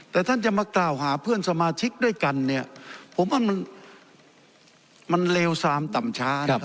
แต่ท่านจะมากล่าวหาเพื่อนสมาชิกด้วยกันเนี่ยผมว่ามันเลวซามต่ำช้านะครับ